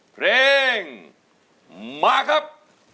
เพลงมาครับ